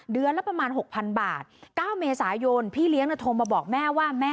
เดือนละประมาณ๖๐๐๐บาท๙เมษายนพี่เลี้ยงโทรมาบอกแม่ว่าแม่